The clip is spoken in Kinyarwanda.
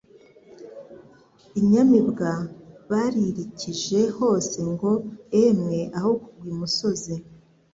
Inyamibwa baririkije hose Ngo emwe aho kugwa imusozi